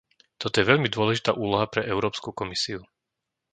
Toto je veľmi dôležitá úloha pre Európsku komisiu.